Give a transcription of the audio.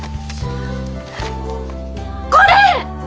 これ！